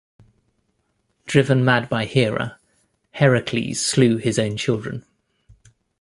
Driven mad by Hera, Heracles slew his own children.